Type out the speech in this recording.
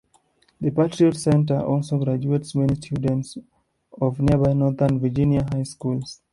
The Patriot Center also graduates many students of nearby Northern Virginia high schools.